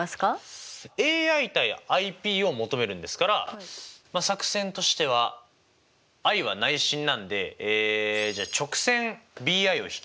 ＡＩ：ＩＰを求めるんですから作戦としてはＩは内心なんで直線ＢＩを引きます。